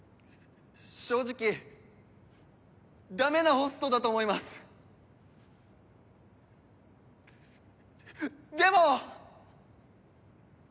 正直ダメなホストだと思いますでも！